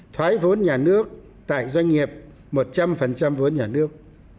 thoái vốn nhà nước tại doanh nghiệp một trăm linh vốn nhà nước